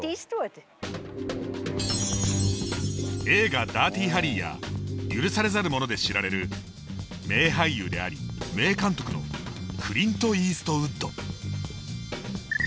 映画「ダーティハリー」や「許されざる者」で知られる名俳優であり名監督のクリント・イーストウッド。